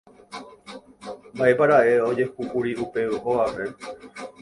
Mba'épara'e ojehúkuri upe ógape.